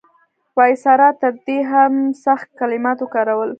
وایسرا تر دې هم سخت کلمات وکارول.